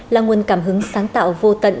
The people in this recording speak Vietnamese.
là nguồn cảm hứng sáng tạo vô tận